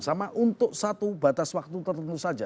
sama untuk satu batas waktu tertentu saja